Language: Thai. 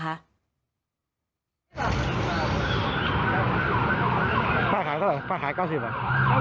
ป้าขายเท่าไหร่ป้าขาย๙๐บาท